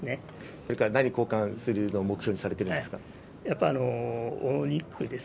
これから何に交換されるのを目標にされてるんですか。